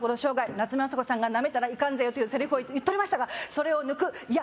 夏目雅子さんが「なめたらいかんぜよ！」というセリフを言っとりましたがそれを抜くいや